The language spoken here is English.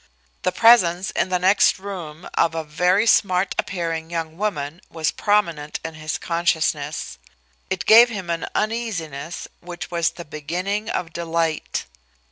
The presence in the next room of a very smart appearing young woman was prominent in his consciousness. It gave him an uneasiness which was the beginning of delight.